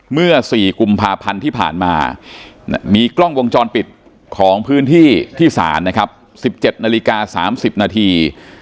เมื่อ๔กุมภาพันธ์ที่ผ่านมามีกล้องวงจรปิดของพื้นที่ที่ศาลนะครับ๑๗นาฬิกา๓๐นาที